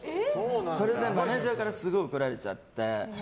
それでマネジャーからすごい怒られて。